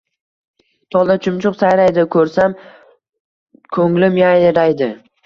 Tolda chumchuq sayraydi, ko‘rsam ko‘nglim yayraydi.